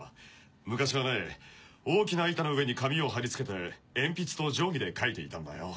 昔はね大きな板の上に紙を張りつけて鉛筆と定規で描いていたんだよ。